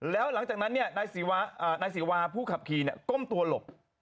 แล้วหลังจากนั้นนายศิวาผู้ขับขี่ก้มตัวหลบ